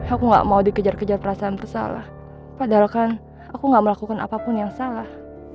aku gak mau dikejar kejar perasaan bersalah padahal kan aku gak melakukan apapun yang salah